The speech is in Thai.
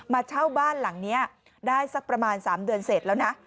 มาเช่าบ้านหลังนี้ได้สักประมาณ๓เดือนเสร็จแล้วนะ